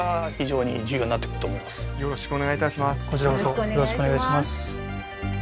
これ当然よろしくお願いします